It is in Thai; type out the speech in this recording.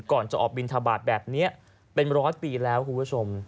ก่อนจะออกบินธบาทแบบนี้เป็นไป๑๐๐ปีแล้วครูไว้ชม